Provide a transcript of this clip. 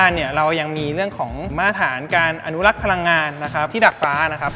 จะมีเรื่องของมาตรฐานการอนุรักษ์พลังงานที่ดักฟ้านะครับ